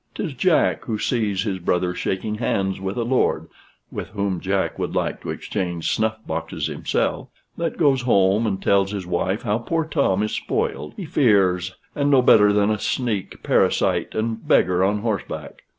'Tis Jack who sees his brother shaking hands with a lord (with whom Jack would like to exchange snuff boxes himself), that goes home and tells his wife how poor Tom is spoiled, he fears, and no better than a sneak, parasite, and beggar on horse back.